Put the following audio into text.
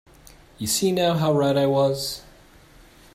You see now how right I was.